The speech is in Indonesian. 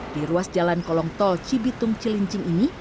di ruas jalan kolong tol cibitung cilincing ini